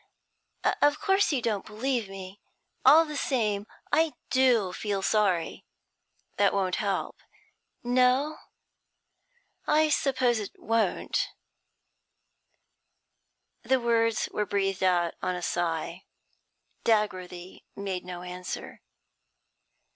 'Of course you don't believe me. All the same, I do feel sorry.' 'That won't help.' 'No? I suppose it won't.' The words were breathed out on a sigh. Dagworthy made no answer.